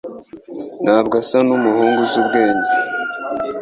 Ntabwo asa numuhungu uzi ubwenge.